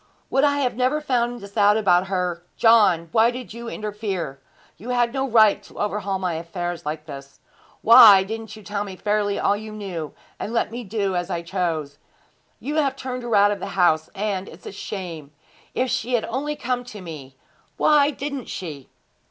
Would I had never found out this about her! John, why did you interfere? You had no right to overhaul my affairs like this. Why didn't you tell me fairly all you knew, and let me do as I chose? You have turned her out of the house, and it's a shame! If she had only come to me! Why didn't she?'